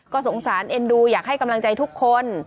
ก็สงสารเอ็นดูอยากให้กำลังใจทุกคน